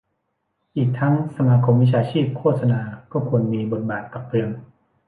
อีกทั้งสมาคมวิชาชีพโฆษณาก็ควรมีบทบาทตักเตือน